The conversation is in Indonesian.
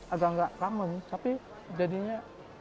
agak agak common tapi jadinya